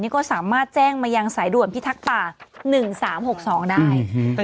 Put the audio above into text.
ก็สามารถแจ้งมายังสายด่วนพิทักษ์ป่า๑๓๖๒ได้